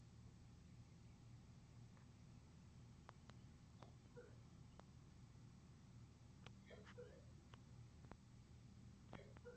دیني سمونه دی.